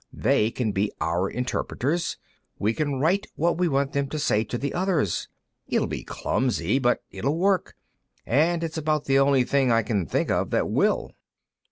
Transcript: They can be our interpreters; we can write what we want them to say to the others. It'll be clumsy, but it will work, and it's about the only thing I can think of that will."